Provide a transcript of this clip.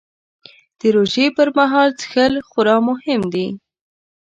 د روژې پر مهال څښل خورا مهم دي